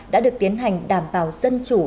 đã được tiến hành đảm bảo dân chủ